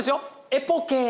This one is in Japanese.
エポケー。